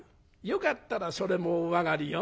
よかったらそれもお上がりよ」。